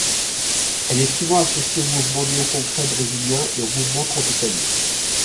Elle est souvent associée au mouvement néo-concret brésilien et au mouvement tropicaliste.